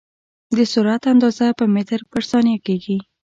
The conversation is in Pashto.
د سرعت اندازه په متر پر ثانیه کېږي.